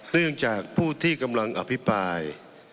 เรื่องจากผู้ที่กำลังอภิปราย